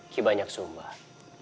ki banyak sumbah